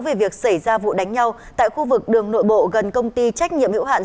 về việc xảy ra vụ đánh nhau tại khu vực đường nội bộ gần công ty trách nhiệm hiệu hạn